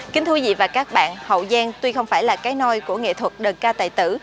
kính thưa quý vị và các bạn hậu giang tuy không phải là cái nôi của nghệ thuật đơn ca tài tử